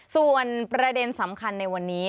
ส่วนประเด็นสำคัญในวันนี้